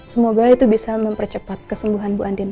semoga itu bisa mempercepat kesembuhan bu andin